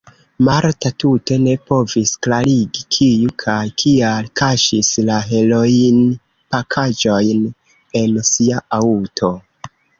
Marta tute ne povis klarigi, kiu kaj kial kaŝis la heroinpakaĵojn en ŝia aŭto.